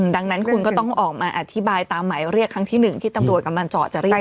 ดังนั้นคุณก็ต้องออกมาอธิบายตามหมายเรียกครั้งที่๑ที่ตำรวจกำลังเจาะจะเรียก